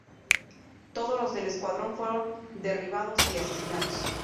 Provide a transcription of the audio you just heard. Todos los del escuadrón fueron derribados y asesinados.